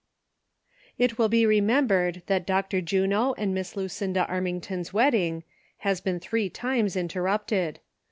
T will be remembered that Dr. Juno and ^liss Lu cinda Armington's wedding has been three times interrupted.